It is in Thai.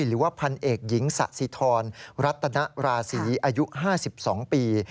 หรือว่าพันเอกหญิงสะสิทรรัตนราศีอายุ๕๒ปี